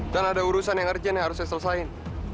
dan ada urusan yang urgent yang harus saya selesaikan